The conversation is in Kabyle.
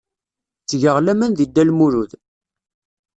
Ttgeɣ laman deg Dda Lmulud.